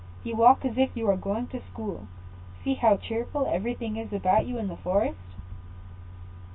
You walk as if you were going to school; see how cheerful everything is about you in the forest."